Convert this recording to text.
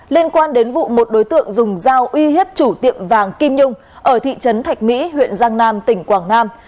liên quan đến vụ một đối tượng dùng dao uy hiếp chủ tiệm vàng kim nhung ở thị trấn thạch mỹ huyện giang nam tỉnh quảng nam